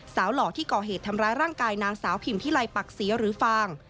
หล่อที่ก่อเหตุทำร้ายร่างกายนางสาวพิมพิไลปักศรีหรือฟาง